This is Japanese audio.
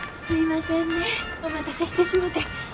すいませんねえお待たせしてしもて。